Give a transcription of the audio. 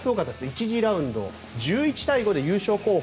１次ラウンド１１対５で優勝候補